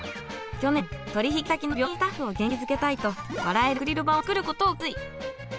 去年取引先の病院スタッフを元気づけたいと笑えるアクリル板を作ることを決意。